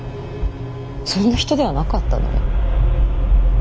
そんな人ではなかったのに。